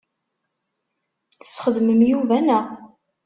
Tesxedmem Yuba, naɣ?